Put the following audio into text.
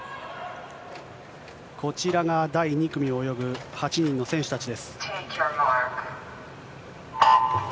こちらが第２組を泳ぐ８人の選手たちです。